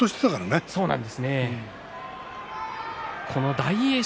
大栄翔